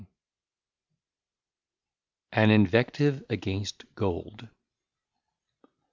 } An Invective against Gold.